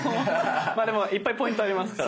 まあでもいっぱいポイントありますから。